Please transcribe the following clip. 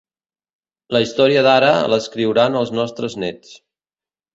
La història d'ara, l'escriuran els nostres nets.